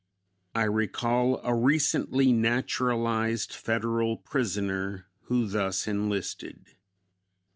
I recall a recently naturalized Federal prisoner who thus enlisted.